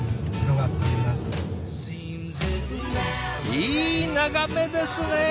いい眺めですね！